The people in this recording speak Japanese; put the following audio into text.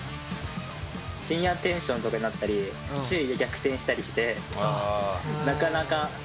深夜テンションとかになったり昼夜逆転したりしてなかなか。